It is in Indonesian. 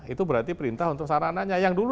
itu berarti perintah untuk sarananya yang dulu